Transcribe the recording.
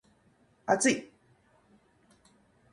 厚い